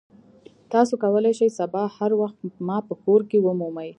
تاسو کولی شئ سبا هر وخت ما په کور کې ومومئ